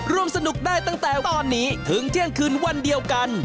ร่วมสนุกได้ตั้งแต่ตอนนี้ถึงเที่ยงคืนวันเดียวกัน